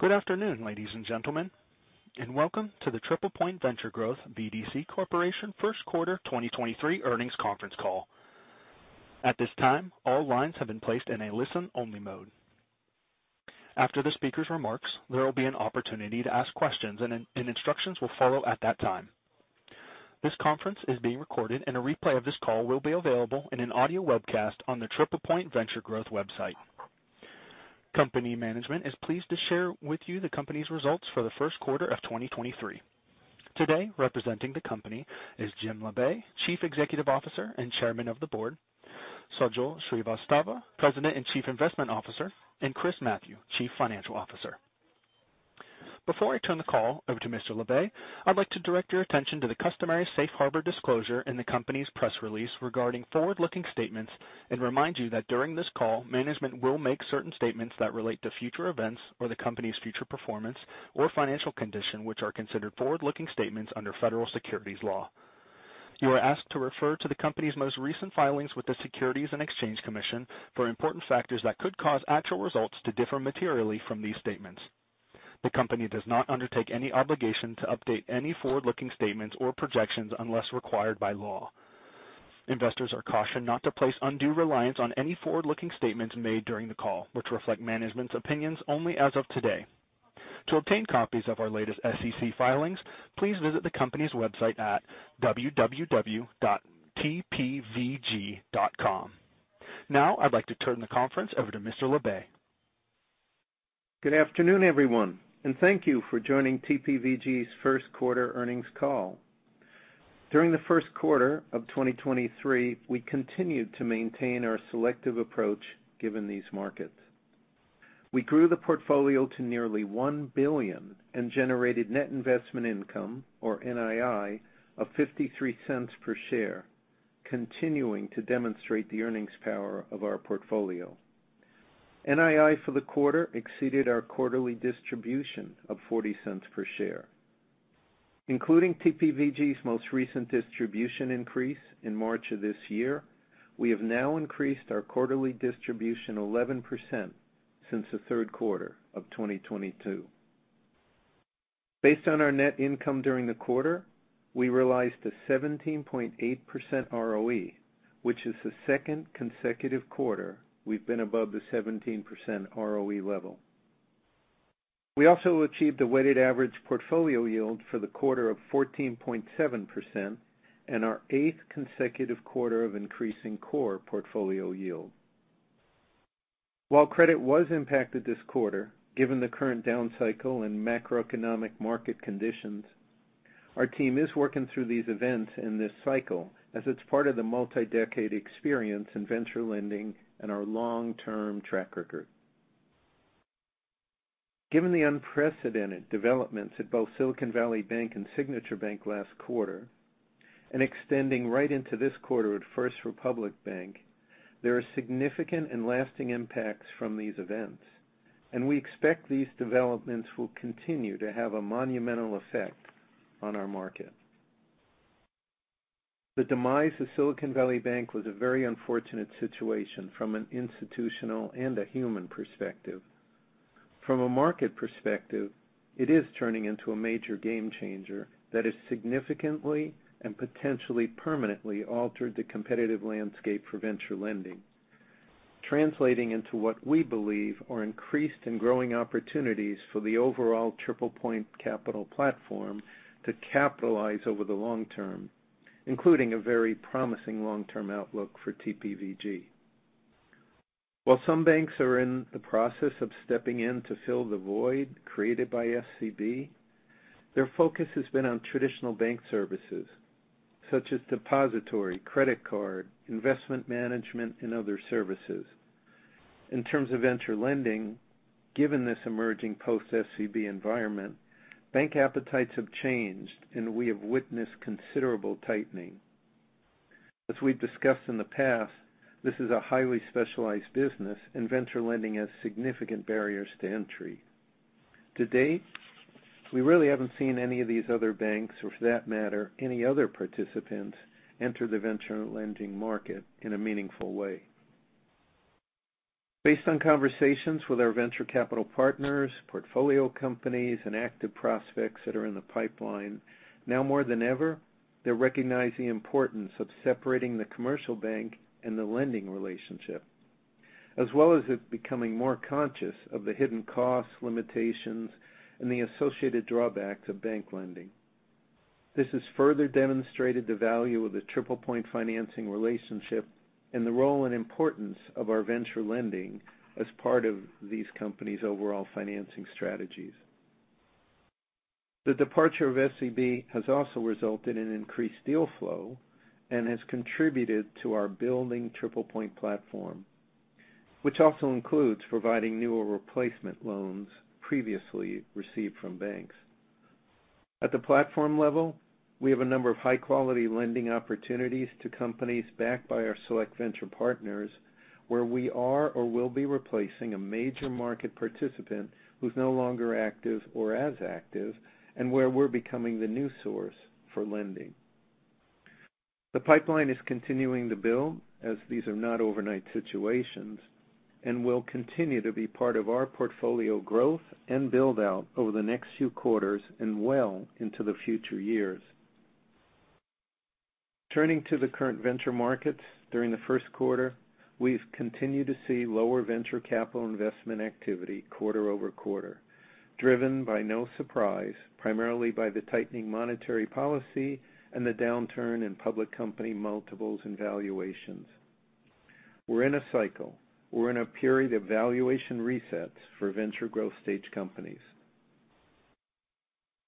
Good afternoon, ladies and gentlemen, and welcome to the TriplePoint Venture Growth BDC Corp. First Quarter 2023 Earnings Conference Call. At this time, all lines have been placed in a listen-only mode. After the speaker's remarks, there will be an opportunity to ask questions, and in-instructions will follow at that time. This conference is being recorded, and a replay of this call will be available in an audio webcast on the TriplePoint Venture Growth website. Company management is pleased to share with you the company's results for the first quarter of 2023. Today, representing the company is Jim Labe, Chief Executive Officer and Chairman of the Board, Sajal Srivastava, President and Chief Investment Officer, and Chris Mathieu, Chief Financial Officer. Before I turn the call over to Mr. Labe, I'd like to direct your attention to the customary safe harbor disclosure in the company's press release regarding forward-looking statements and remind you that during this call, management will make certain statements that relate to future events or the company's future performance or financial condition, which are considered forward-looking statements under federal securities law. You are asked to refer to the company's most recent filings with the Securities and Exchange Commission for important factors that could cause actual results to differ materially from these statements. The company does not undertake any obligation to update any forward-looking statements or projections unless required by law. Investors are cautioned not to place undue reliance on any forward-looking statements made during the call, which reflect management's opinions only as of today. To obtain copies of our latest SEC filings, please visit the company's website at www.tpvg.com. I'd like to turn the conference over to Mr. Labe. Good afternoon, everyone, thank you for joining TPVG's first quarter earnings call. During the first quarter of 2023, we continued to maintain our selective approach given these markets. We grew the portfolio to nearly $1 billion and generated net investment income, or NII, of $0.53 per share, continuing to demonstrate the earnings power of our portfolio. NII for the quarter exceeded our quarterly distribution of $0.40 per share. Including TPVG's most recent distribution increase in March of this year, we have now increased our quarterly distribution 11% since the third quarter of 2022. Based on our net income during the quarter, we realized a 17.8% ROE, which is the second consecutive quarter we've been above the 17% ROE level. We also achieved a weighted average portfolio yield for the quarter of 14.7% and our 8th consecutive quarter of increasing core portfolio yield. While credit was impacted this quarter, given the current down cycle and macroeconomic market conditions, our team is working through these events in this cycle as it's part of the multi-decade experience in venture lending and our long-term track record. Given the unprecedented developments at both Silicon Valley Bank and Signature Bank last quarter, and extending right into this quarter at First Republic Bank, there are significant and lasting impacts from these events, and we expect these developments will continue to have a monumental effect on our market. The demise of Silicon Valley Bank was a very unfortunate situation from an institutional and a human perspective. From a market perspective, it is turning into a major game changer that has significantly and potentially permanently altered the competitive landscape for venture lending, translating into what we believe are increased and growing opportunities for the overall TriplePoint Capital platform to capitalize over the long term, including a very promising long-term outlook for TPVG. While some banks are in the process of stepping in to fill the void created by SVB, their focus has been on traditional bank services, such as depository, credit card, investment management, and other services. In terms of venture lending, given this emerging post-SVB environment, bank appetites have changed, and we have witnessed considerable tightening. As we've discussed in the past, this is a highly specialized business, and venture lending has significant barriers to entry. To date, we really haven't seen any of these other banks, or for that matter, any other participants enter the venture lending market in a meaningful way. Based on conversations with our venture capital partners, portfolio companies, and active prospects that are in the pipeline, now more than ever, they recognize the importance of separating the commercial bank and the lending relationship, as well as it becoming more conscious of the hidden costs, limitations, and the associated drawbacks of bank lending. This has further demonstrated the value of the TriplePoint financing relationship and the role and importance of our venture lending as part of these companies' overall financing strategies. The departure of SVB has also resulted in increased deal flow and has contributed to our building TriplePoint platform, which also includes providing newer replacement loans previously received from banks. At the platform level, we have a number of high-quality lending opportunities to companies backed by our select venture partners, where we are or will be replacing a major market participant who's no longer active or as active, and where we're becoming the new source for lending. The pipeline is continuing to build as these are not overnight situations, and will continue to be part of our portfolio growth and build out over the next few quarters and well into the future years. Turning to the current venture markets, during the first quarter, we've continued to see lower venture capital investment activity quarter-over-quarter, driven by no surprise, primarily by the tightening monetary policy and the downturn in public company multiples and valuations. We're in a cycle. We're in a period of valuation resets for venture growth stage companies.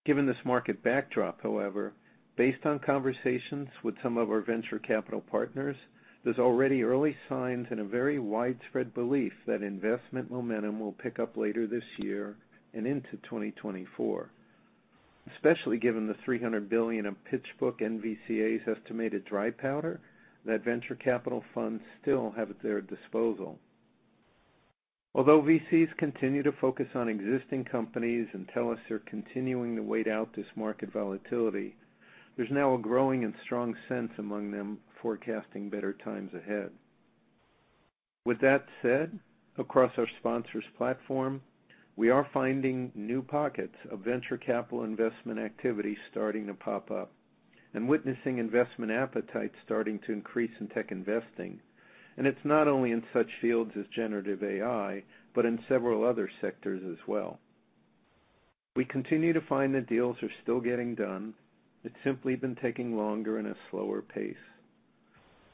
Given this market backdrop, however, based on conversations with some of our venture capital partners, there's already early signs and a very widespread belief that investment momentum will pick up later this year and into 2024, especially given the $300 billion in PitchBook-NVCA's estimated dry powder that venture capital funds still have at their disposal. Although VCs continue to focus on existing companies and tell us they're continuing to wait out this market volatility, there's now a growing and strong sense among them forecasting better times ahead. With that said, across our sponsors platform, we are finding new pockets of venture capital investment activity starting to pop up and witnessing investment appetite starting to increase in tech investing. It's not only in such fields as generative AI, but in several other sectors as well. We continue to find that deals are still getting done. It's simply been taking longer in a slower pace.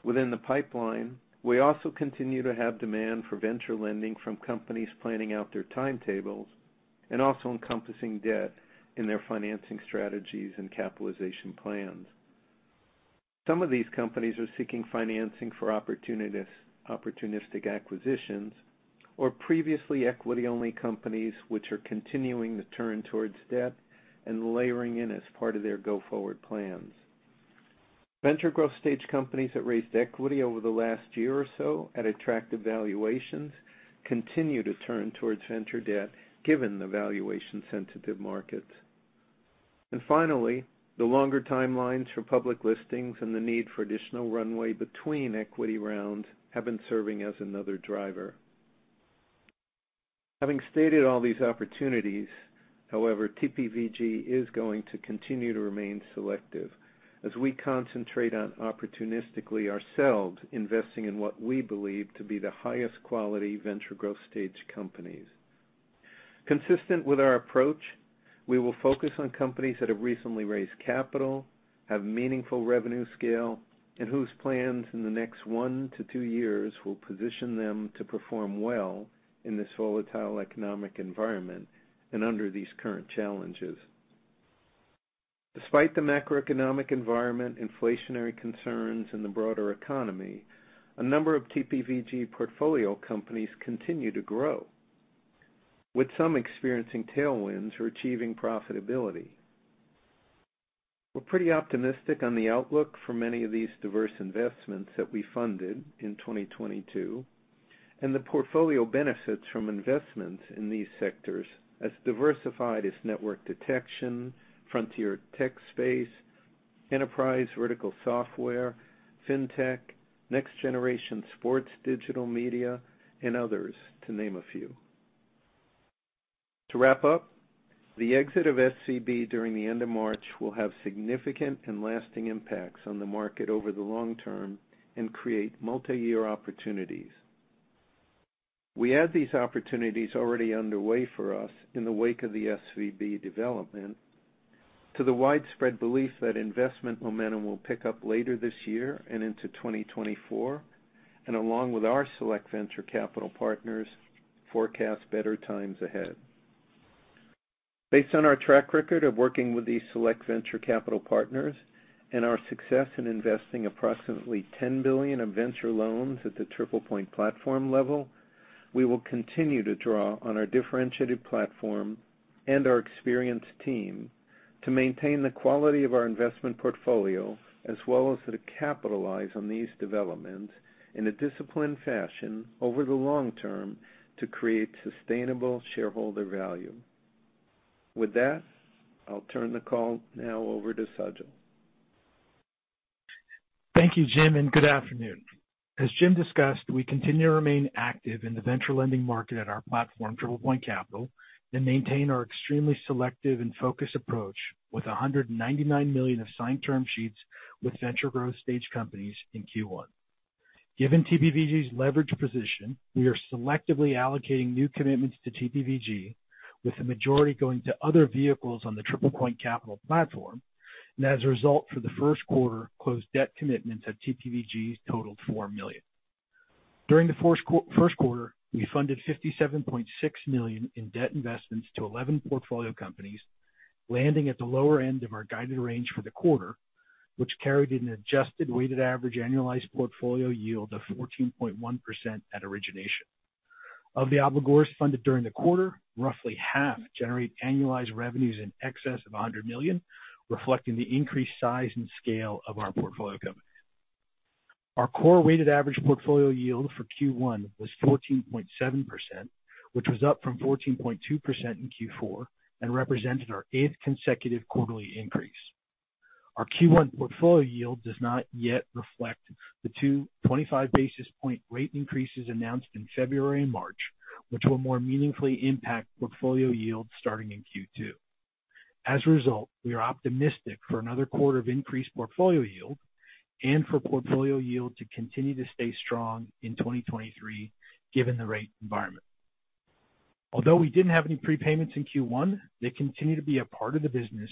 Within the pipeline, we also continue to have demand for venture lending from companies planning out their timetables and also encompassing debt in their financing strategies and capitalization plans. Some of these companies are seeking financing for opportunistic acquisitions or previously equity-only companies which are continuing to turn towards debt and layering in as part of their go-forward plans. Venture growth stage companies that raised equity over the last year or so at attractive valuations continue to turn towards venture debt given the valuation-sensitive market. Finally, the longer timelines for public listings and the need for additional runway between equity rounds have been serving as another driver. Having stated all these opportunities, however, TPVG is going to continue to remain selective as we concentrate on opportunistically ourselves investing in what we believe to be the highest quality venture growth stage companies. Consistent with our approach, we will focus on companies that have recently raised capital, have meaningful revenue scale, and whose plans in the next one to two years will position them to perform well in this volatile economic environment and under these current challenges. Despite the macroeconomic environment, inflationary concerns in the broader economy, a number of TPVG portfolio companies continue to grow, with some experiencing tailwinds or achieving profitability. We're pretty optimistic on the outlook for many of these diverse investments that we funded in 2022, and the portfolio benefits from investments in these sectors as diversified as network detection, frontier tech space, enterprise vertical software, fintech, next-generation sports digital media, and others, to name a few. To wrap up, the exit of SVB during the end of March will have significant and lasting impacts on the market over the long term and create multiyear opportunities. We add these opportunities already underway for us in the wake of the SVB development to the widespread belief that investment momentum will pick up later this year and into 2024, and along with our select venture capital partners, forecast better times ahead. Based on our track record of working with these select venture capital partners and our success in investing approximately $10 billion of venture loans at the TriplePoint platform level, we will continue to draw on our differentiated platform and our experienced team to maintain the quality of our investment portfolio, as well as to capitalize on these developments in a disciplined fashion over the long term to create sustainable shareholder value. With that, I'll turn the call now over to Sajal. Thank you, Jim, and good afternoon. As Jim discussed, we continue to remain active in the venture lending market at our platform, TriplePoint Capital, and maintain our extremely selective and focused approach with $199 million of signed term sheets with venture growth stage companies in Q1. Given TPVG's leverage position, we are selectively allocating new commitments to TPVG, with the majority going to other vehicles on the TriplePoint Capital platform. As a result, for the first quarter, closed debt commitments at TPVG totaled $4 million. During the first quarter, we funded $57.6 million in debt investments to 11 portfolio companies, landing at the lower end of our guided range for the quarter, which carried an adjusted weighted average annualized portfolio yield of 14.1% at origination. Of the obligors funded during the quarter, roughly half generate annualized revenues in excess of $100 million, reflecting the increased size and scale of our portfolio companies. Our core weighted average portfolio yield for Q1 was 14.7%, which was up from 14.2% in Q4 and represented our eighth consecutive quarterly increase. Our Q1 portfolio yield does not yet reflect the 225 basis point rate increases announced in February and March, which will more meaningfully impact portfolio yield starting in Q2. As a result, we are optimistic for another quarter of increased portfolio yield and for portfolio yield to continue to stay strong in 2023, given the rate environment. Although we didn't have any prepayments in Q1, they continue to be a part of the business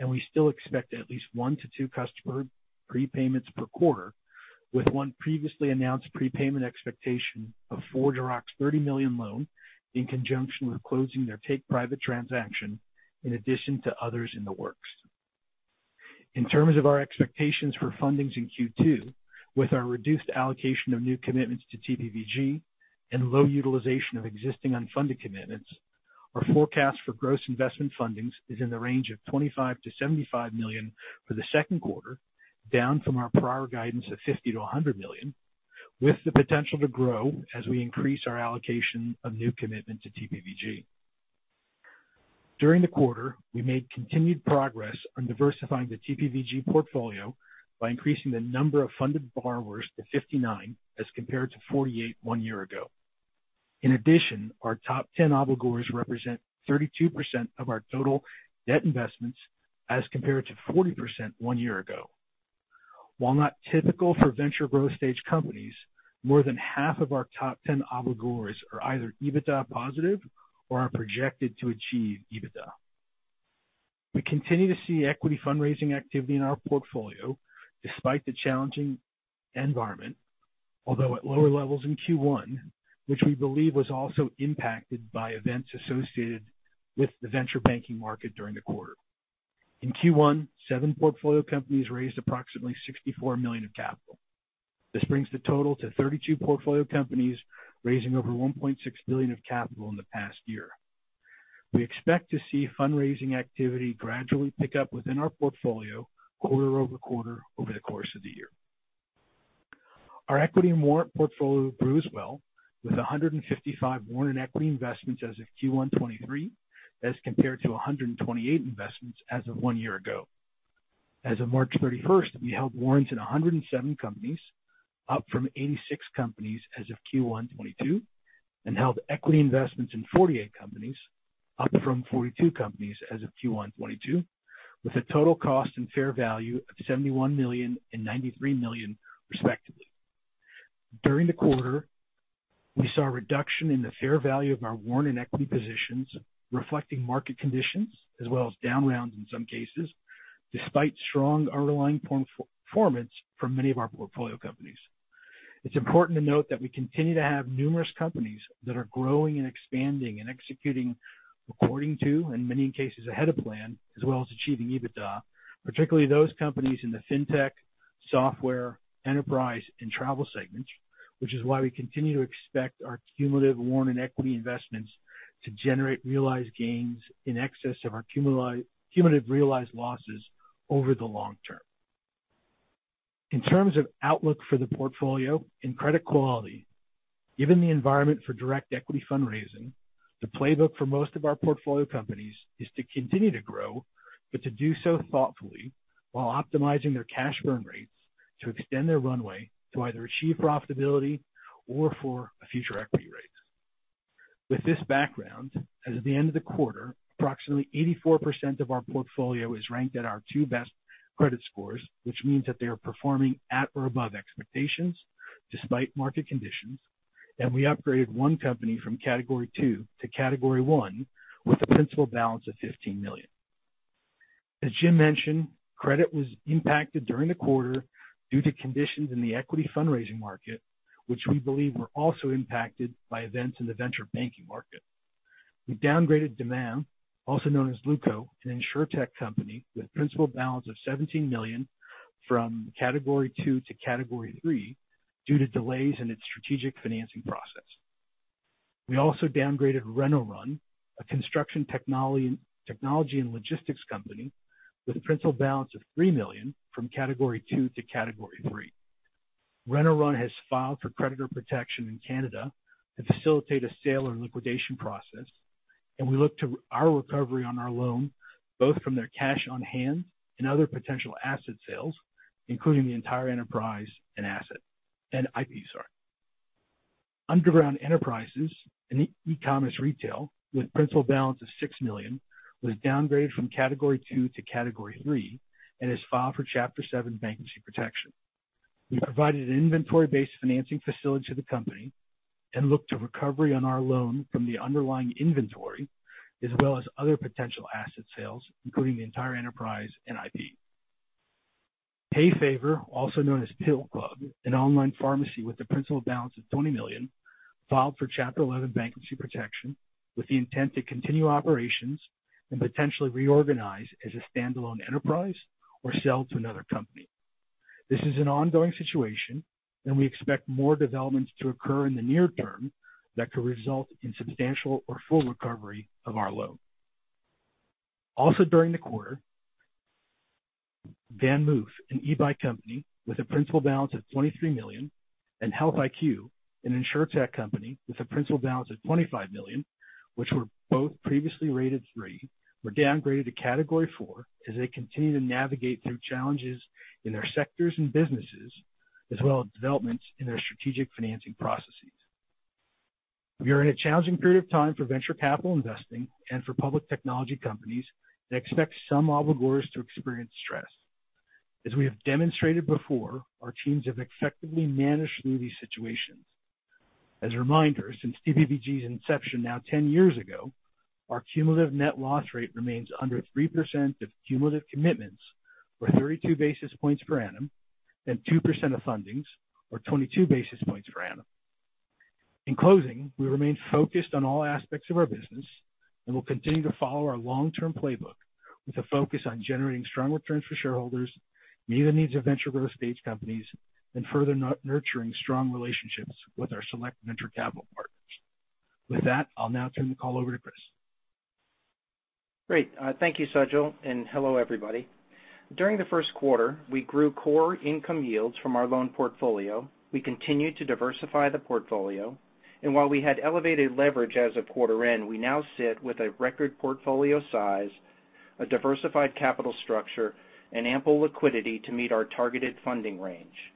and we still expect at least one to two customer prepayments per quarter, with one previously announced prepayment expectation of ForgeRock's $30 million loan in conjunction with closing their take-private transaction in addition to others in the works. In terms of our expectations for fundings in Q2, with our reduced allocation of new commitments to TPVG and low utilization of existing unfunded commitments, our forecast for gross investment fundings is in the range of $25 million-$75 million for the 2nd quarter, down from our prior guidance of $50 million-$100 million, with the potential to grow as we increase our allocation of new commitment to TPVG. During the quarter, we made continued progress on diversifying the TPVG portfolio by increasing the number of funded borrowers to 59 as compared to 48 one year ago. In addition, our top 10 obligors represent 32% of our total debt investments as compared to 40% 1 year ago. While not typical for venture growth stage companies, more than half of our top 10 obligors are either EBITDA positive or are projected to achieve EBITDA. We continue to see equity fundraising activity in our portfolio despite the challenging environment, although at lower levels in Q1, which we believe was also impacted by events associated with the venture banking market during the quarter. In Q1, seven portfolio companies raised approximately $64 million of capital. This brings the total to 32 portfolio companies raising over $1.6 billion of capital in the past year. We expect to see fundraising activity gradually pick up within our portfolio quarter-over-quarter over the course of the year. Our equity and warrant portfolio grew as well, with 155 warrant and equity investments as of Q1 2023, as compared to 128 investments as of one year ago. As of March 31st, we held warrants in 107 companies, up from 86 companies as of Q1 2022, and held equity investments in 48 companies, up from 42 companies as of Q1 2022, with a total cost and fair value of $71 million and $93 million respectively. During the quarter, we saw a reduction in the fair value of our warrant and equity positions reflecting market conditions as well as down rounds in some cases, despite strong underlying performance from many of our portfolio companies. It's important to note that we continue to have numerous companies that are growing and expanding and executing according to, in many cases ahead of plan, as well as achieving EBITDA, particularly those companies in the fintech, software, enterprise, and travel segments, which is why we continue to expect our cumulative warrant and equity investments to generate realized gains in excess of our cumulative realized losses over the long term. In terms of outlook for the portfolio and credit quality, given the environment for direct equity fundraising, the playbook for most of our portfolio companies is to continue to grow, but to do so thoughtfully while optimizing their cash burn rates to extend their runway to either achieve profitability or for a future equity raise. With this background, as of the end of the quarter, approximately 84% of our portfolio is ranked at our two best credit scores, which means that they are performing at or above expectations despite market conditions. We upgraded one company from category 2 to category 1 with a principal balance of $15 million. As Jim mentioned, credit was impacted during the quarter due to conditions in the equity fundraising market, which we believe were also impacted by events in the venture banking market. We downgraded Demain, also known as Luko, an insurtech company with principal balance of $17 million from category 2 to category 3 due to delays in its strategic financing process. We also downgraded RenoRun, a construction technology and logistics company with principal balance of $3 million from category 2 to category 3. RenoRun has filed for creditor protection in Canada to facilitate a sale or liquidation process. We look to our recovery on our loan, both from their cash on hand and other potential asset sales, including the entire enterprise and IP, sorry. Underground Enterprises, an e-commerce retail with principal balance of $6 million, was downgraded from category 2 to category 3 and has filed for Chapter 7 bankruptcy protection. We provided an inventory-based financing facility to the company and look to recovery on our loan from the underlying inventory as well as other potential asset sales, including the entire enterprise and IP. HeyFavor, also known as The Pill Club, an online pharmacy with a principal balance of $20 million, filed for Chapter 11 bankruptcy protection with the intent to continue operations and potentially reorganize as a standalone enterprise or sell to another company. This is an ongoing situation and we expect more developments to occur in the near term that could result in substantial or full recovery of our loan. Also during the quarter, VanMoof, an e-bike company with a principal balance of $23 million, and HealthIQ, an insurtech company with a principal balance of $25 million, which were both previously rated three, were downgraded to category four as they continue to navigate through challenges in their sectors and businesses, as well as developments in their strategic financing processes. We are in a challenging period of time for venture capital investing and for public technology companies and expect some obligors to experience stress. As we have demonstrated before, our teams have effectively managed through these situations. As a reminder, since TPVG's inception now 10 years ago, our cumulative net loss rate remains under 3% of cumulative commitments, or 32 basis points per annum, and 2% of fundings, or 22 basis points per annum. In closing, we remain focused on all aspects of our business and will continue to follow our long-term playbook with a focus on generating strong returns for shareholders, meet the needs of venture growth stage companies, and further nurturing strong relationships with our select venture capital partners. With that, I'll now turn the call over to Chris. Great. Thank you, Sajal, and hello, everybody. During the first quarter, we grew core income yields from our loan portfolio. We continued to diversify the portfolio, and while we had elevated leverage as of quarter end, we now sit with a record portfolio size, a diversified capital structure, and ample liquidity to meet our targeted funding range.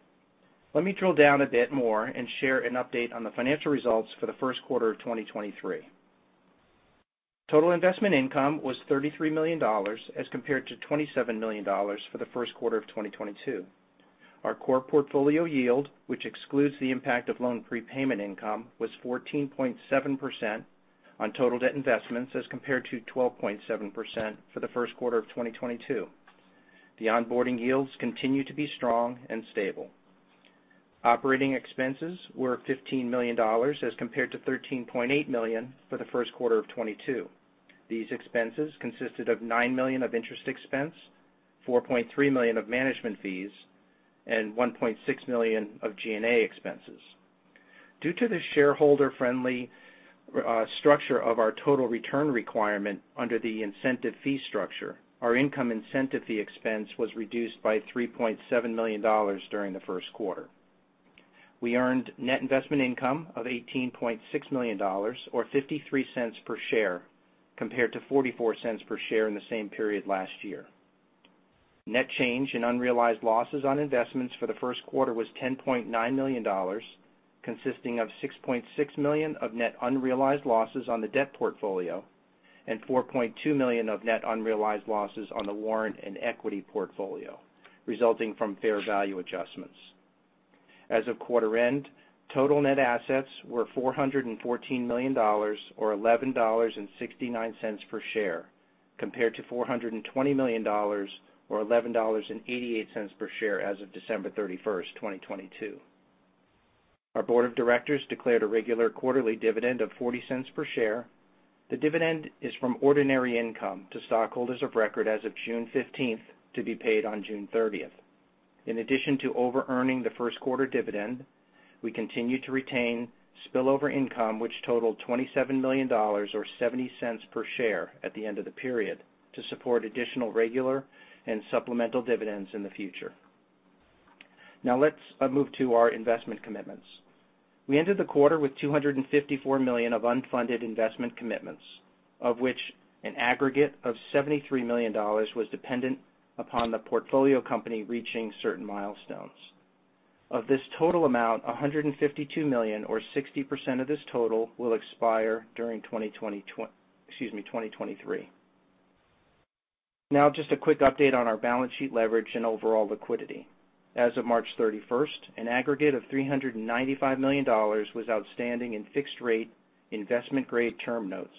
Let me drill down a bit more and share an update on the financial results for the first quarter of 2023. Total investment income was $33 million as compared to $27 million for the first quarter of 2022. Our core portfolio yield, which excludes the impact of loan prepayment income, was 14.7% on total debt investments as compared to 12.7% for the first quarter of 2022. The onboarding yields continue to be strong and stable. Operating expenses were $15 million as compared to $13.8 million for the first quarter of 2022. These expenses consisted of $9 million of interest expense, $4.3 million of management fees, and $1.6 million of G&A expenses. Due to the shareholder-friendly structure of our total return requirement under the incentive fee structure, our income incentive fee expense was reduced by $3.7 million during the first quarter. We earned net investment income of $18.6 million or $0.53 per share, compared to $0.44 per share in the same period last year. Net change in unrealized losses on investments for the first quarter was $10.9 million, consisting of $6.6 million of net unrealized losses on the debt portfolio and $4.2 million of net unrealized losses on the warrant and equity portfolio, resulting from fair value adjustments. As of quarter end, total net assets were $414 million or $11.69 per share, compared to $420 million or $11.88 per share as of December 31st, 2022. Our board of directors declared a regular quarterly dividend of $0.40 per share. The dividend is from ordinary income to stockholders of record as of June 15th to be paid on June 30th. In addition to overearning the first quarter dividend, we continue to retain spillover income, which totaled $27 million or $0.70 per share at the end of the period to support additional regular and supplemental dividends in the future. Let's move to our investment commitments. We ended the quarter with $254 million of unfunded investment commitments, of which an aggregate of $73 million was dependent upon the portfolio company reaching certain milestones. Of this total amount, $152 million or 60% of this total will expire during 2023. Just a quick update on our balance sheet leverage and overall liquidity. As of March 31st, an aggregate of $395 million was outstanding in fixed rate investment grade term notes,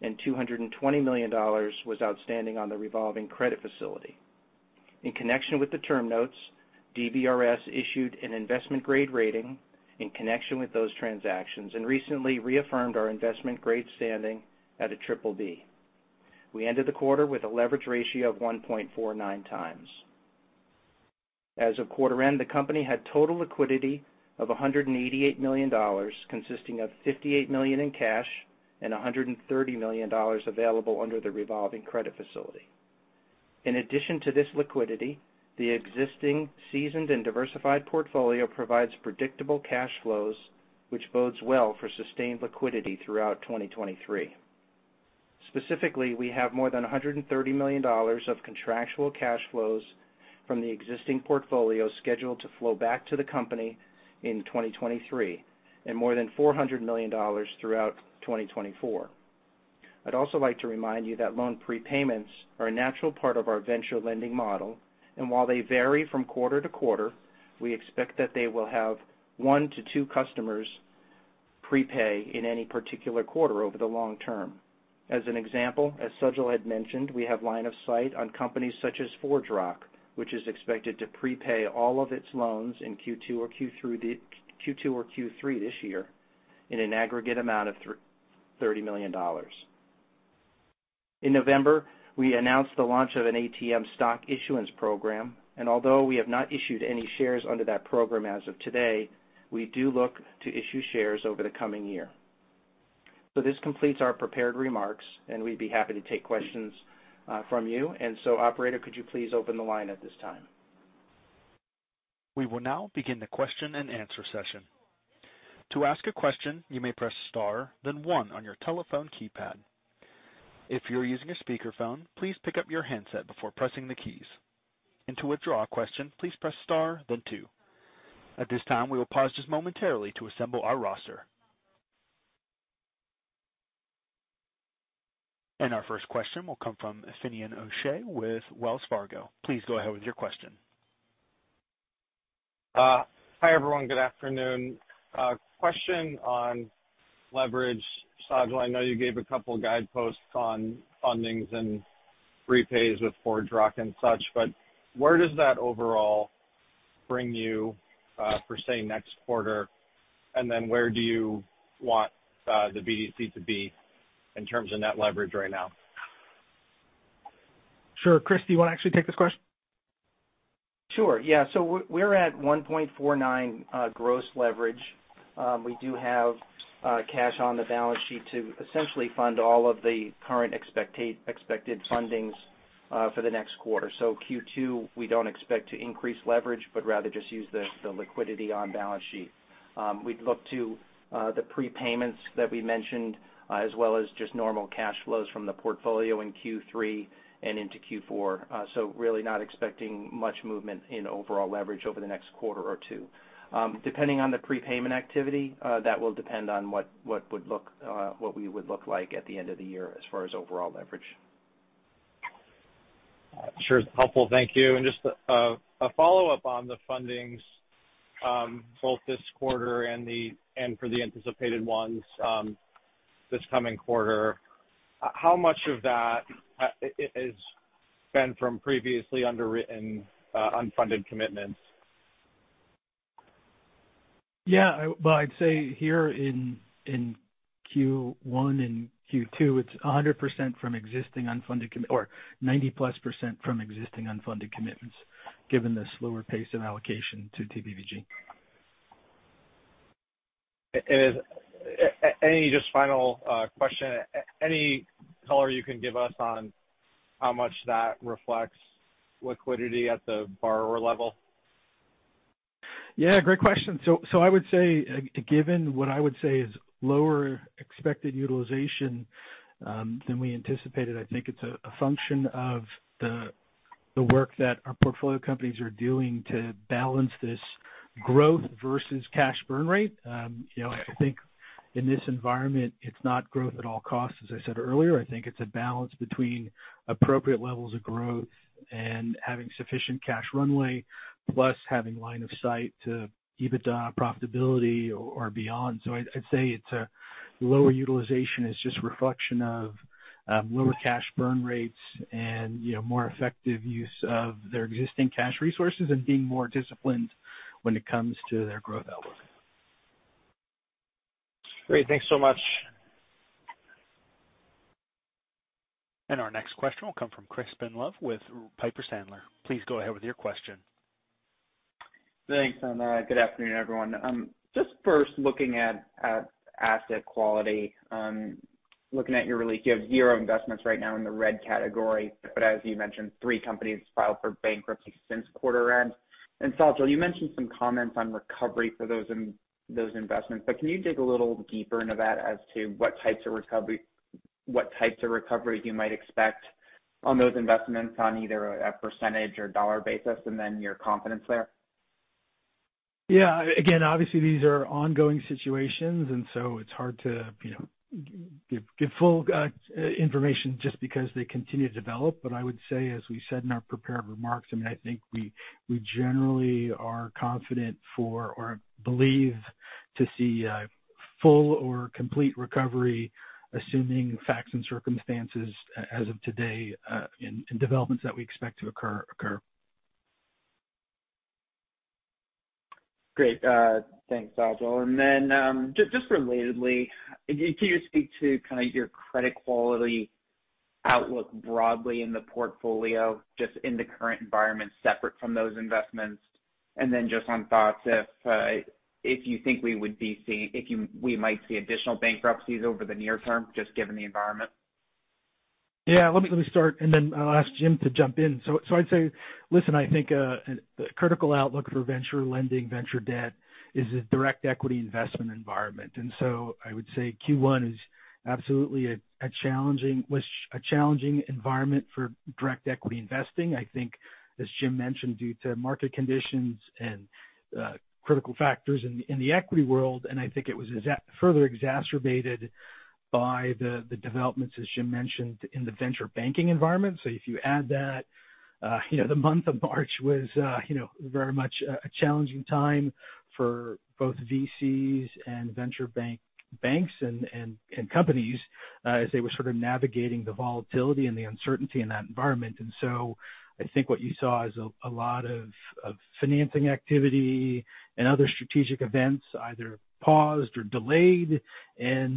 and $220 million was outstanding on the revolving credit facility. In connection with the term notes, DBRS issued an investment grade rating in connection with those transactions and recently reaffirmed our investment grade standing at a BBB. We ended the quarter with a leverage ratio of 1.49x. As of quarter-end, the company had total liquidity of $188 million, consisting of $58 million in cash and $130 million available under the revolving credit facility. In addition to this liquidity, the existing seasoned and diversified portfolio provides predictable cash flows, which bodes well for sustained liquidity throughout 2023. Specifically, we have more than $130 million of contractual cash flows from the existing portfolio scheduled to flow back to the company in 2023 and more than $400 million throughout 2024. I'd also like to remind you that loan prepayments are a natural part of our venture lending model, and while they vary from quarter to quarter, we expect that they will have one to two customers prepay in any particular quarter over the long term. As an example, as Sajal had mentioned, we have line of sight on companies such as ForgeRock, which is expected to prepay all of its loans in Q2 or Q3 this year in an aggregate amount of $30 million. In November, we announced the launch of an ATM stock issuance program, and although we have not issued any shares under that program as of today, we do look to issue shares over the coming year. This completes our prepared remarks, and we'd be happy to take questions from you. Operator, could you please open the line at this time? We will now begin the question and answer session. To ask a question, you may press star then one on your telephone keypad. If you're using a speakerphone, please pick up your handset before pressing the keys. To withdraw a question, please press star then two. At this time, we will pause just momentarily to assemble our roster. Our first question will come from Finian O'Shea with Wells Fargo. Please go ahead with your question. Hi, everyone. Good afternoon. A question on leverage. Sajal, I know you gave a couple guideposts on fundings and repays with ForgeRock and such, but where does that overall bring you for, say, next quarter? Where do you want the BDC to be in terms of net leverage right now? Sure. Chris, do you wanna actually take this question? Sure. Yeah. We're at 1.49 gross leverage. We do have cash on the balance sheet to essentially fund all of the current expected fundings for the next quarter. Q2, we don't expect to increase leverage, but rather just use the liquidity on balance sheet. We'd look to the prepayments that we mentioned, as well as just normal cash flows from the portfolio in Q3 and into Q4. Really not expecting much movement in overall leverage over the next quarter or two. Depending on the prepayment activity, that will depend on what would look, what we would look like at the end of the year as far as overall leverage. Sure. Helpful. Thank you. Just a follow-up on the fundings, both this quarter and for the anticipated ones, this coming quarter. How much of that is been from previously underwritten unfunded commitments? Yeah. Well, I'd say here in Q1 and Q2, it's 90%+ from existing unfunded commitments, given the slower pace of allocation to TPVG. Is any just final question? Any color you can give us on how much that reflects liquidity at the borrower level? Yeah, great question. I would say, given what I would say is lower expected utilization than we anticipated, I think it's a function of the work that our portfolio companies are doing to balance this growth versus cash burn rate. You know, I think in this environment, it's not growth at all costs, as I said earlier. I think it's a balance between appropriate levels of growth and having sufficient cash runway plus having line of sight to EBITDA profitability or beyond. I'd say it's lower utilization is just reflection of lower cash burn rates and, you know, more effective use of their existing cash resources and being more disciplined when it comes to their growth outlook. Great. Thanks so much. Our next question will come from Crispin Love with Piper Sandler. Please go ahead with your question. Thanks. Good afternoon, everyone. Just first looking at asset quality, looking at your release, you have zero investments right now in the red category, but as you mentioned, three companies filed for bankruptcy since quarter end. Sajal, you mentioned some comments on recovery for those investments, but can you dig a little deeper into that as to what types of recovery you might expect on those investments on either a percentage or dollar basis, and then your confidence there? Yeah. Again, obviously these are ongoing situations, and so it's hard to, you know, give full information just because they continue to develop. I would say, as we said in our prepared remarks, I mean, I think we generally are confident for or believe to see a full or complete recovery assuming facts and circumstances as of today, and developments that we expect to occur. Great. thanks, Sajal. just relatedly, can you speak to kind of your credit quality outlook broadly in the portfolio just in the current environment separate from those investments? just on thoughts if you think we might see additional bankruptcies over the near term just given the environment? Yeah. Let me start and then I'll ask Jim to jump in. I'd say, listen, I think the critical outlook for venture lending, venture debt is a direct equity investment environment. I would say Q1 is absolutely a challenging environment for direct equity investing. I think as Jim mentioned, due to market conditions and critical factors in the equity world, and I think it was further exacerbated by the developments, as Jim mentioned, in the venture banking environment. If you add that, you know, the month of March was, you know, very much a challenging time for both VCs and venture banks and companies, as they were sort of navigating the volatility and the uncertainty in that environment. I think what you saw is a lot of financing activity and other strategic events either paused or delayed as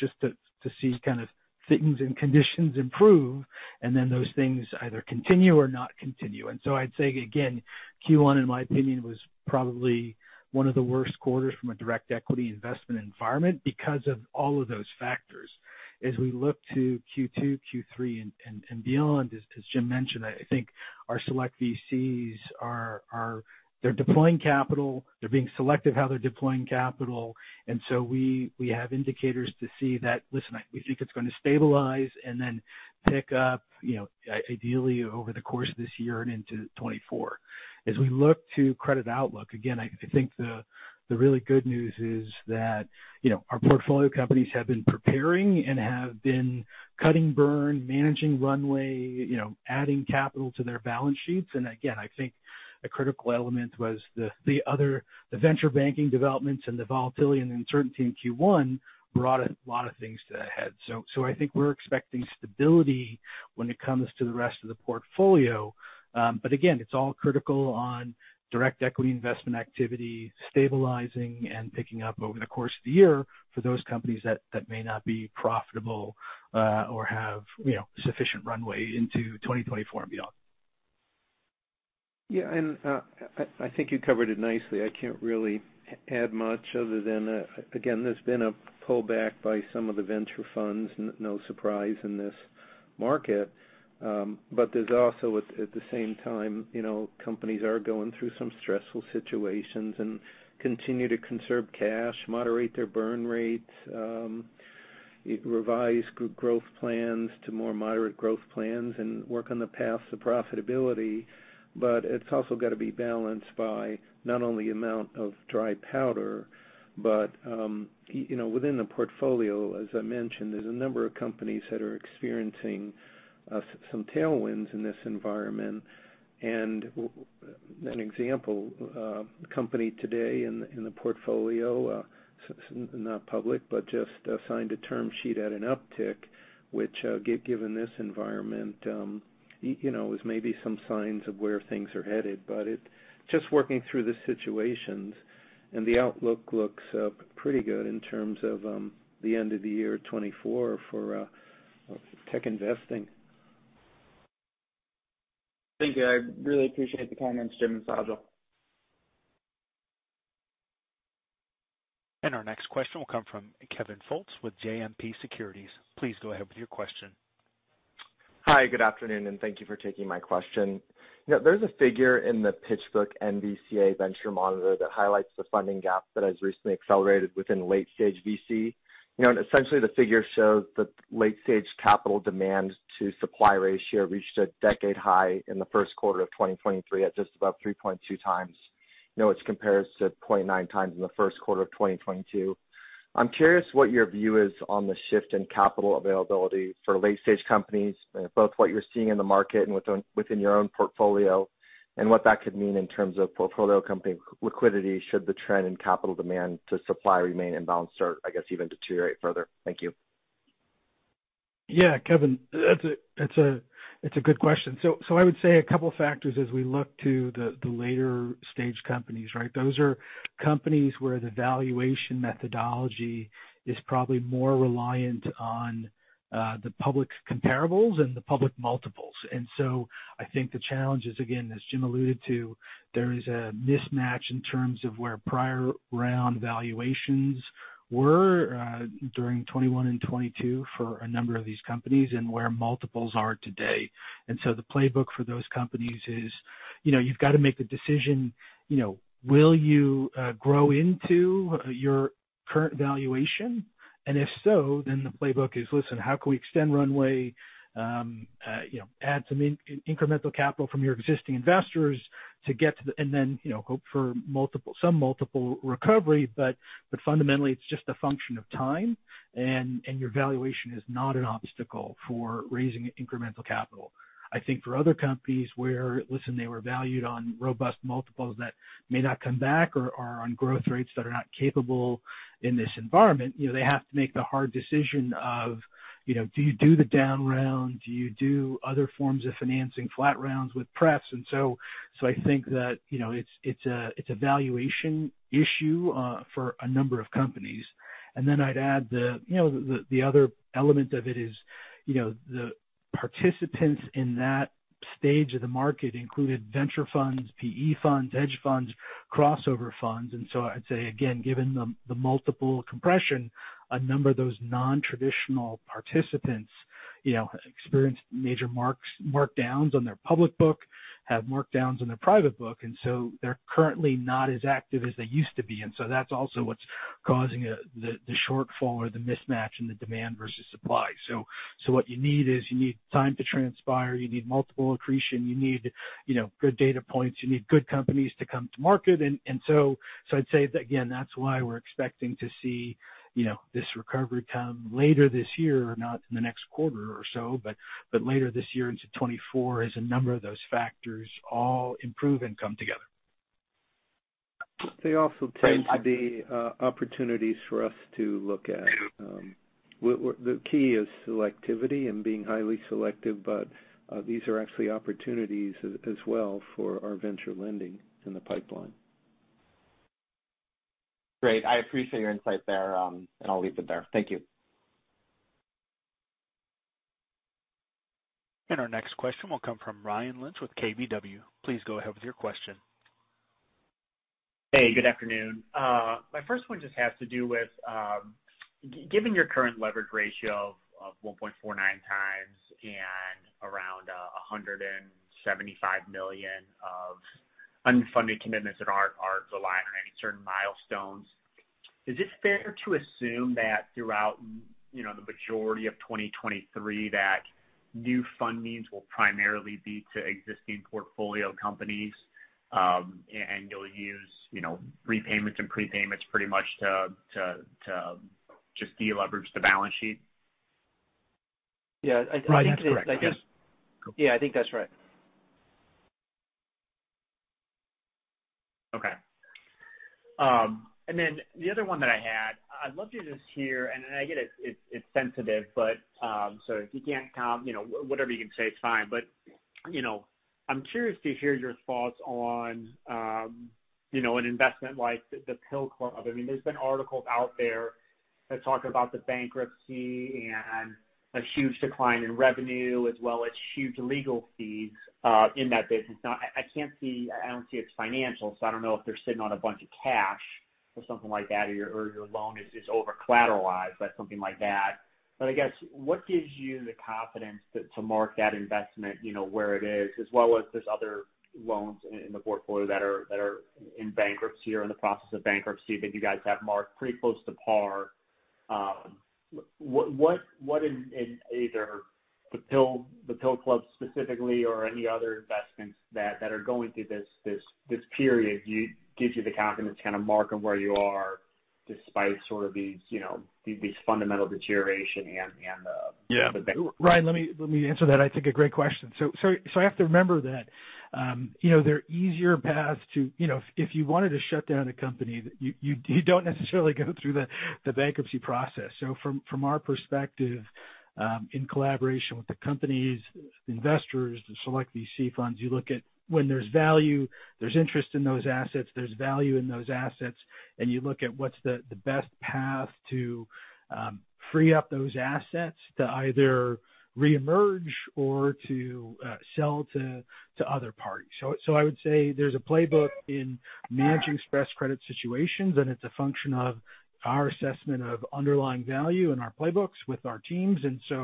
just to see kind of things and conditions improve, and then those things either continue or not continue. I'd say again, Q1 in my opinion was probably one of the worst quarters from a direct equity investment environment because of all of those factors. As we look to Q2, Q3 and beyond, as Jim mentioned, I think our select VCs are they're deploying capital, they're being selective how they're deploying capital. We have indicators to see that, listen, we think it's gonna stabilize and then pick up, you know, ideally over the course of this year and into 2024. As we look to credit outlook, again, I think the really good news is that, you know, our portfolio companies have been preparing and have been cutting burn, managing runway, you know, adding capital to their balance sheets. Again, I think a critical element was the venture banking developments and the volatility and uncertainty in Q1 brought a lot of things to a head. I think we're expecting stability when it comes to the rest of the portfolio. Again, it's all critical on direct equity investment activity stabilizing and picking up over the course of the year for those companies that may not be profitable or have, you know, sufficient runway into 2024 and beyond. Yeah. I think you covered it nicely. I can't really add much other than, again, there's been a pullback by some of the venture funds, no surprise in this market. There's also at the same time, you know, companies are going through some stressful situations and continue to conserve cash, moderate their burn rates, revise growth plans to more moderate growth plans, and work on the path to profitability. It's also got to be balanced by not only amount of dry powder, but, you know, within the portfolio, as I mentioned, there's a number of companies that are experiencing some tailwinds in this environment. An example, a company today in the portfolio, not public, but just signed a term sheet at an uptick, which, given this environment, you know, is maybe some signs of where things are headed. It's just working through the situations, and the outlook looks pretty good in terms of the end of the year 2024 for tech investing. Thank you. I really appreciate the comments, Jim and Sajal. Our next question will come from Kevin Fultz with JMP Securities. Please go ahead with your question. Hi, good afternoon. Thank you for taking my question. You know, there's a figure in the PitchBook-NVCA Venture Monitor that highlights the funding gap that has recently accelerated within late stage VC. You know, essentially the figure shows that late stage capital demand to supply ratio reached a decade high in the first quarter of 2023 at just about 3.2x. You know, which compares to 0.9x in the first quarter of 2022. I'm curious what your view is on the shift in capital availability for late stage companies, both what you're seeing in the market and within your own portfolio, and what that could mean in terms of portfolio company liquidity should the trend in capital demand to supply remain imbalanced or, I guess, even deteriorate further. Thank you. Yeah, Kevin, that's a, it's a, it's a good question. I would say a couple factors as we look to the later stage companies, right? Those are companies where the valuation methodology is probably more reliant on the public comparables and the public multiples. I think the challenge is, again, as Jim alluded to, there is a mismatch in terms of where prior round valuations were during 2021 and 2022 for a number of these companies and where multiples are today. The playbook for those companies is, you know, you've got to make the decision, you know, will you grow into your current valuation? If so, then the playbook is, listen, how can we extend runway, you know, add some incremental capital from your existing investors. Then, you know, hope for some multiple recovery. Fundamentally, it's just a function of time, and your valuation is not an obstacle for raising incremental capital. I think for other companies where, listen, they were valued on robust multiples that may not come back or are on growth rates that are not capable in this environment, you know, they have to make the hard decision of, you know, do you do the down round? Do you do other forms of financing flat rounds with pref? I think that, you know, it's a valuation issue for a number of companies. I'd add the, you know, the other element of it is, you know, the participants in that stage of the market included venture funds, PE funds, hedge funds, crossover funds. I'd say again, given the multiple compression, a number of those non-traditional participants, you know, experienced major markdowns on their public book, have markdowns on their private book, and so they're currently not as active as they used to be. That's also what's causing the shortfall or the mismatch in the demand versus supply. What you need is you need time to transpire. You need multiple accretion. You need, you know, good data points. You need good companies to come to market. I'd say, again, that's why we're expecting to see, you know, this recovery come later this year, not in the next quarter or so, but later this year into 2024 as a number of those factors all improve and come together. They also tend to be, opportunities for us to look at. well, the key is selectivity and being highly selective, but, these are actually opportunities as well for our venture lending in the pipeline. Great. I appreciate your insight there, and I'll leave it there. Thank you. Our next question will come from Ryan Lynch with KBW. Please go ahead with your question. Hey, good afternoon. My first one just has to do with given your current leverage ratio of 1.49x and around $175 million of unfunded commitments that are reliant on any certain milestones, is it fair to assume that throughout, you know, the majority of 2023, that new fundings will primarily be to existing portfolio companies, and you'll use, you know, repayments and prepayments pretty much to just de-leverage the balance sheet? Yeah. I think that's- Right. That's correct. Yes. I think, yeah, I think that's right. Okay. The other one that I had, I'd love to just hear, and I get it's, it's sensitive, but, so if you can't comment, you know, whatever you can say, it's fine. You know, I'm curious to hear your thoughts on, you know, an investment like The Pill Club. I mean, there's been articles out there that talk about the bankruptcy and a huge decline in revenue, as well as huge legal fees in that business. I can't see... I don't see its financials, so I don't know if they're sitting on a bunch of cash or something like that, or your loan is over-collateralized by something like that. I guess, what gives you the confidence to mark that investment, you know, where it is, as well as those other loans in the portfolio that are in bankruptcy or in the process of bankruptcy that you guys have marked pretty close to par? What in either The Pill Club specifically or any other investments that are going through this period gives you the confidence to kind of mark them where you are despite sort of these, you know, these fundamental deterioration? Yeah. Ryan, let me answer that. I think a great question. I have to remember that, you know, there are easier paths to... You know, if you wanted to shut down a company, you don't necessarily go through the bankruptcy process. From our perspective, in collaboration with the company's investors to select these C funds, you look at when there's value, there's interest in those assets, there's value in those assets, and you look at what's the best path to free up those assets to either reemerge or to sell to other parties. I would say there's a playbook in managing stress credit situations, and it's a function of our assessment of underlying value in our playbooks with our teams. I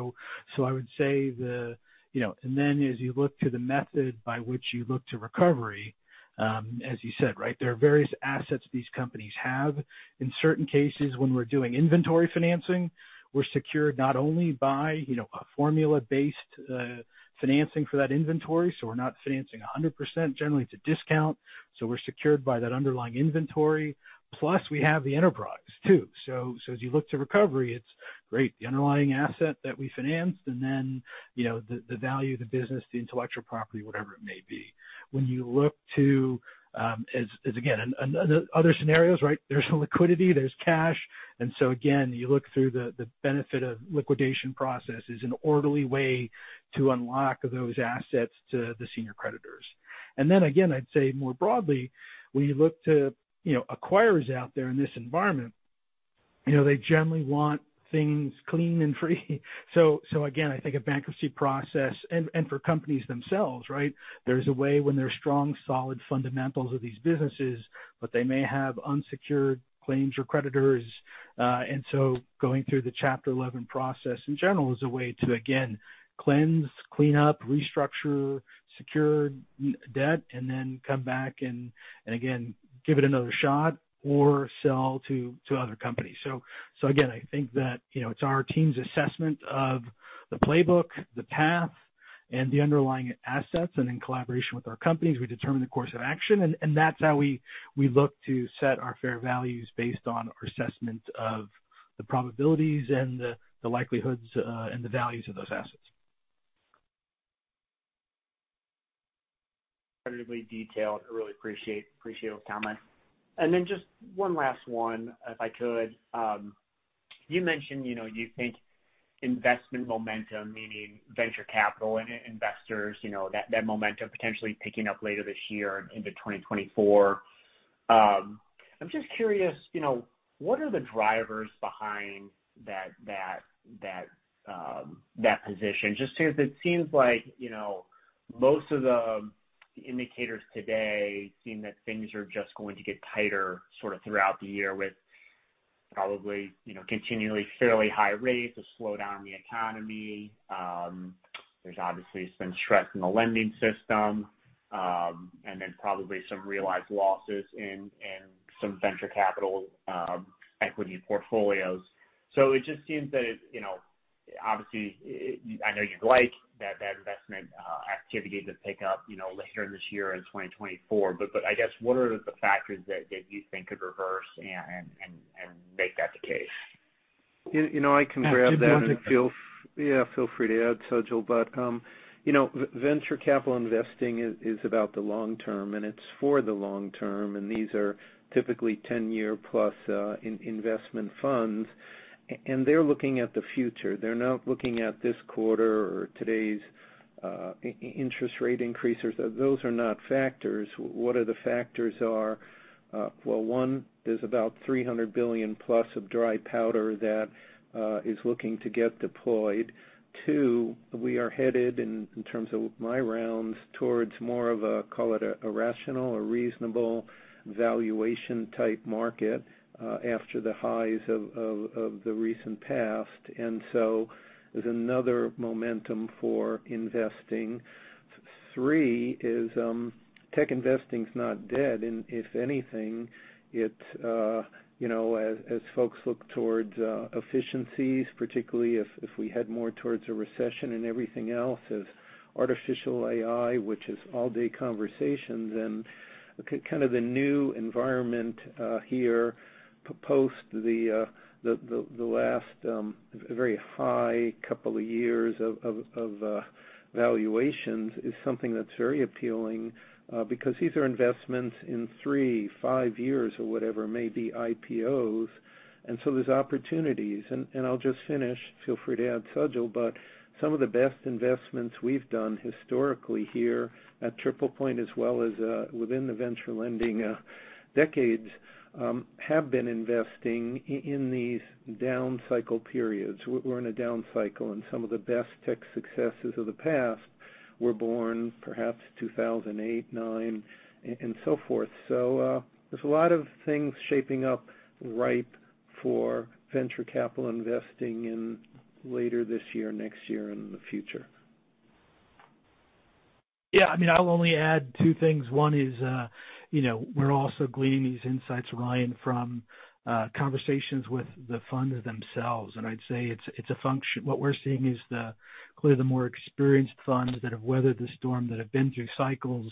would say the... You know, then as you look to the method by which you look to recovery, as you said, right, there are various assets these companies have. In certain cases, when we're doing inventory financing, we're secured not only by, you know, a formula-based financing for that inventory. We're not financing 100%. Generally, it's a discount. We're secured by that underlying inventory. Plus, we have the enterprise too. As you look to recovery, it's great, the underlying asset that we financed then, you know, the value of the business, the intellectual property, whatever it may be. When you look to, as again, another other scenarios, right? There's liquidity, there's cash, again, you look through the benefit of liquidation process is an orderly way to unlock those assets to the senior creditors. Again, I'd say more broadly, when you look to, you know, acquirers out there in this environment, you know, they generally want things clean and free. Again, I think a bankruptcy process and for companies themselves, right? There's a way when there are strong, solid fundamentals of these businesses, but they may have unsecured claims or creditors, going through the Chapter 11 process in general is a way to again cleanse, clean up, restructure, secure, debt come back and again, give it another shot or sell to other companies. Again, I think that, you know, it's our team's assessment of the playbook, the path, and the underlying assets. In collaboration with our companies, we determine the course of action. That's how we look to set our fair values based on assessment of the probabilities and the likelihoods, and the values of those assets. Incredibly detailed. I really appreciate those comments. Just one last one, if I could. You mentioned, you know, you think investment momentum, meaning venture capital investors, you know, that momentum potentially picking up later this year into 2024. I'm just curious, you know, what are the drivers behind that position? Just because it seems like, you know, most of the indicators today seem that things are just going to get tighter sort of throughout the year with probably, you know, continually fairly high rates of slowdown in the economy. There's obviously some stress in the lending system, and then probably some realized losses in some venture capital equity portfolios. It just seems that it's, you know, obviously, I know you'd like that investment activity to pick up, you know, later this year in 2024. I guess what are the factors that you think could reverse and make that the case? You know, I can grab that. Yeah. Yeah, feel free to add, Sajal. you know, venture capital investing is about the long term and it's for the long term, and these are typically 10-year-plus investment funds. They're looking at the future. They're not looking at this quarter or today's interest rate increases. Those are not factors. What are the factors are, one, there's about $300 billion plus of dry powder that is looking to get deployed. Two, we are headed in terms of my rounds, towards more of a, call it a rational or reasonable valuation-type market after the highs of the recent past. There's another momentum for investing. Three is, tech investing's not dead. If anything, it, you know, as folks look towards efficiencies, particularly if we head more towards a recession and everything else, as artificial AI, which is all-day conversations and kind of the new environment here post the last very high couple of years of valuations is something that's very appealing, because these are investments in 3, 5 years or whatever may be IPOs. There's opportunities. I'll just finish. Feel free to add, Sajal. Some of the best investments we've done historically here at TriplePoint as well as within the venture lending decades have been investing in these down cycle periods. We're in a down cycle, some of the best tech successes of the past were born perhaps 2008, 9 and so forth. There's a lot of things shaping up ripe for venture capital investing in later this year, next year and in the future. Yeah, I mean, I'll only add two things. One is, you know, we're also gleaning these insights, Ryan, from conversations with the funders themselves. I'd say what we're seeing is clearly the more experienced funds that have weathered the storm, that have been through cycles,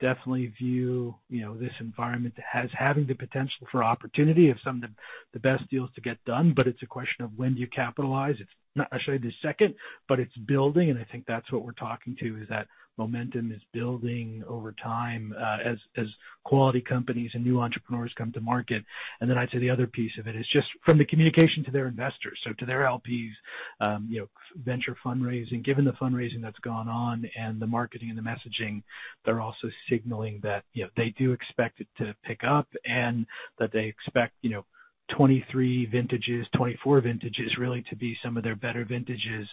definitely view, you know, this environment as having the potential for opportunity of some of the best deals to get done. It's a question of when do you capitalize? It's not necessarily this second, but it's building, and I think that's what we're talking to, is that momentum is building over time, as quality companies and new entrepreneurs come to market. I'd say the other piece of it is just from the communication to their investors, so to their LPs, you know, venture fundraising. Given the fundraising that's gone on and the marketing and the messaging, they're also signaling that, you know, they do expect it to pick up and that they expect, you know, 2023 vintages, 2024 vintages really to be some of their better vintages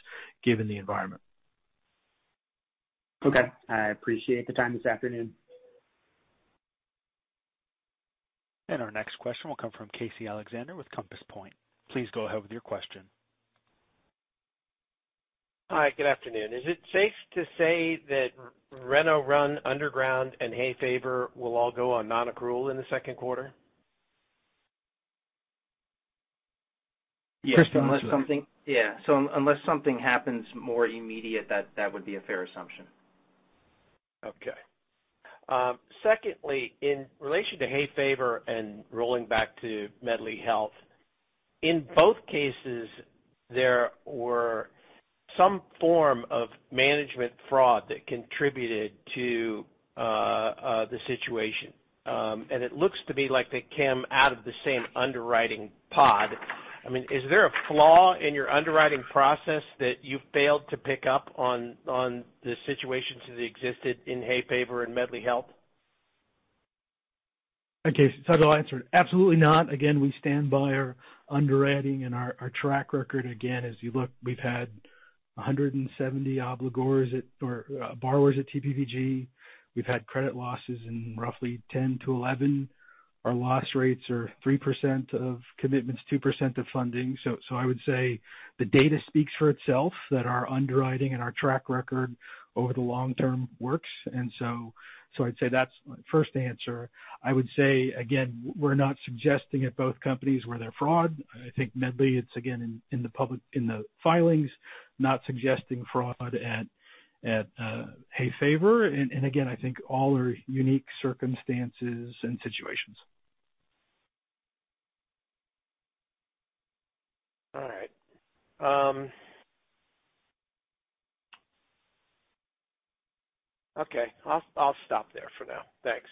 given the environment. Okay. I appreciate the time this afternoon. Our next question will come from Casey Alexander with Compass Point. Please go ahead with your question. Hi, good afternoon. Is it safe to say that RenoRun, Underground and HeyFavor will all go on non-accrual in the second quarter? Chris can answer that. Yeah. Unless something happens more immediate, that would be a fair assumption. Secondly, in relation to HeyFavor and rolling back to Medly Health, in both cases, there were some form of management fraud that contributed to the situation. It looks to me like they came out of the same underwriting pod. I mean, is there a flaw in your underwriting process that you failed to pick up on the situations as they existed in HeyFavor and Medly Health? Okay. I'll answer. Absolutely not. Again, we stand by our underwriting and our track record. Again, as you look, we've had 170 obligors at, or borrowers at TPVG. We've had credit losses in roughly 10 to 11. Our loss rates are 3% of commitments, 2% of funding. I would say the data speaks for itself that our underwriting and our track record over the long term works. I'd say that's first answer. I would say again, we're not suggesting at both companies where there are fraud. I think Medly, it's again in the filings, not suggesting fraud at HeyFavor. Again, I think all are unique circumstances and situations. All right. Okay. I'll stop there for now. Thanks.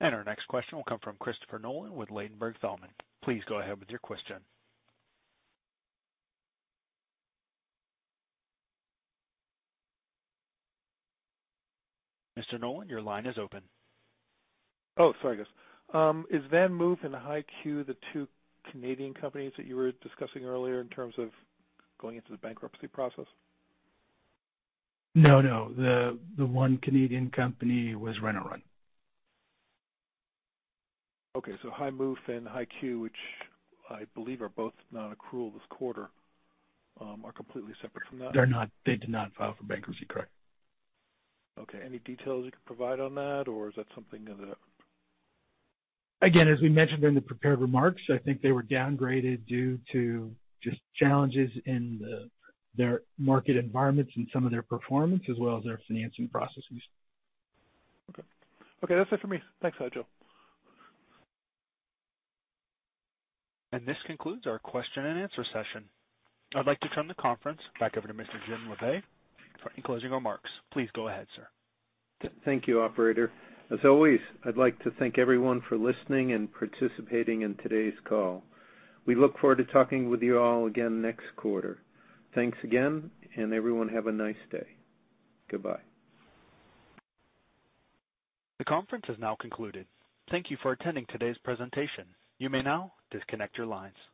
Our next question will come from Christopher Nolan with Ladenburg Thalmann. Please go ahead with your question. Mr. Nolan, your line is open. Sorry, guys. Is VanMoof and HiQ the two Canadian companies that you were discussing earlier in terms of going into the bankruptcy process? No, no. The one Canadian company was RenoRun. Okay. VanMoof and HiQ, which I believe are both non-accrual this quarter, are completely separate from that? They're not. They did not file for bankruptcy, correct. Okay. Any details you could provide on that, or is that something that... As we mentioned in the prepared remarks, I think they were downgraded due to just challenges in their market environments and some of their performance as well as their financing processes. Okay. Okay, that's it for me. Thanks, Sajal. This concludes our question and answer session. I'd like to turn the conference back over to Mr. Jim Labe for any closing remarks. Please go ahead, sir. Thank you, operator. As always, I'd like to thank everyone for listening and participating in today's call. We look forward to talking with you all again next quarter. Thanks again, and everyone have a nice day. Goodbye. The conference has now concluded. Thank you for attending today's presentation. You may now disconnect your lines.